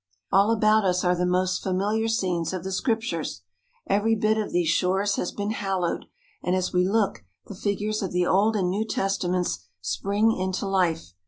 All about us are the most familiar scenes of the Scrip tures. Every bit of these shores has been hallowed; and as we look the figures of the Old and New Testaments spring into life.